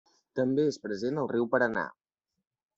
També és present al riu Paranà.